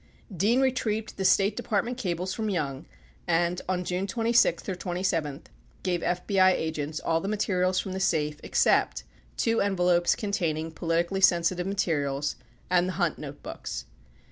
Dean retrieved the State Department cables from Young and, on June 26 or 27, gave FBI agents all the materials from the safe except two envelopes containing politically sensitive materials and the Hunt notebooks.